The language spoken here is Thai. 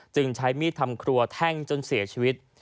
ใช้มีดทำครัวแทงจนเสียชีวิต